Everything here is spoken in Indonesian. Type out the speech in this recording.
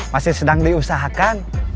masih sedang diusahakan